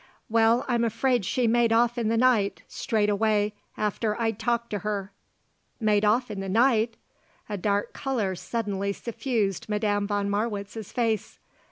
"Well, I'm afraid she made off in the night, straight away, after I'd talked to her." "Made off in the night?" A dark colour suddenly suffused Madame von Marwitz's face.